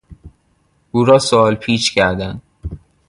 او را سوال پیچ کردند.